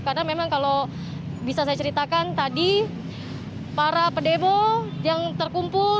karena memang kalau bisa saya ceritakan tadi para pedemo yang terkumpul